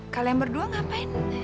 kalian berdua ngapain